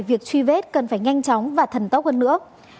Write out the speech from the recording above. việc truy vết cần phải nhanh chóng và thần tốc hơn nữa